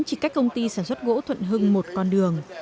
chỉ cách công ty sản xuất gỗ thuận hưng một con đường